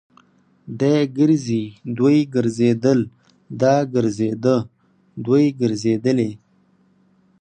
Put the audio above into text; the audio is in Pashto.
دی ګرځي. دوی ګرځيدل. دا ګرځيده. دوی ګرځېدلې.